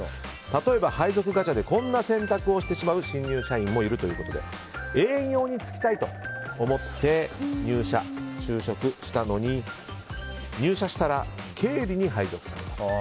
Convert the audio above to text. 例えば配属ガチャでこんな選択をしてしまう新入社員もいるということで営業に就きたいと思って入社、就職したのに入社したら経理に配属された。